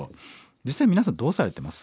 実際皆さんどうされてます？